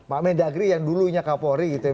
pak mendagri yang dulunya kapolri gitu ya